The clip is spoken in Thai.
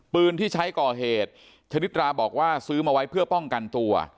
ปืนที่ใช้ก่อเหตุชนิดราบอกว่าซื้อมาไว้เพื่อป้องกันตัว